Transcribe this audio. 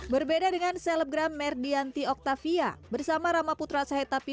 berbeda dengan selebgram merdianti octavia bersama ramaputra sahetapi